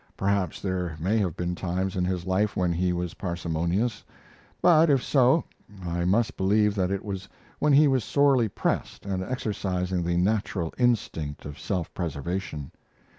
Perhaps there may have been times in his life when he was parsimonious; but, if so, I must believe that it was when he was sorely pressed and exercising the natural instinct of self preservation.